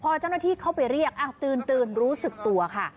พอเจ้าหน้าที่เข้าไปเรียกตื่นรู้สึกตัวค่ะ